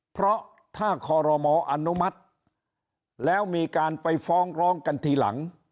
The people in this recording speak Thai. เพราะถ้าคอรมออนุมัติแล้วมีการไปฟ้องร้องกันทีหลัง